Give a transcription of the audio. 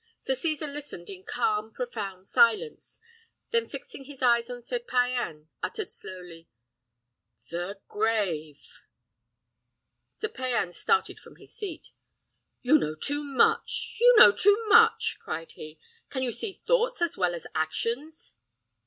Sir Cesar listened in calm, profound silence; then, fixing his eyes on Sir Payan, uttered slowly, "The grave!" Sir Payan started from his seat. "You know too much! you know too much!" cried he. "Can you see thoughts as well as actions?"